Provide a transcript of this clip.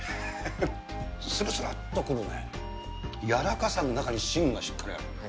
するするっとこのね、柔らかさの中に芯がしっかりある。